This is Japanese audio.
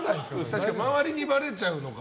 周りにばれちゃうのか。